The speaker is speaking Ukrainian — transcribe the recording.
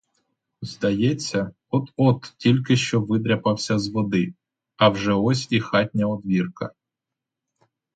Здається, от-от тільки що видряпався з води, а вже ось і хатня одвірка.